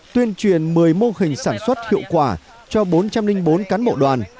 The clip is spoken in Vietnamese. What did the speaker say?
tuyên truyền một mươi mô hình sản xuất hiệu quả cho bốn trăm linh bốn cán bộ đoàn